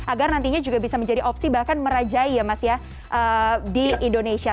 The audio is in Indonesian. agar nantinya juga bisa menjadi opsi bahkan merajai ya mas ya di indonesia